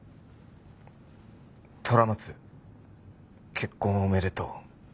「虎松結婚おめでとう」